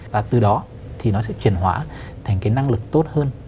và từ đó thì nó sẽ chuyển hóa thành cái năng lực tốt hơn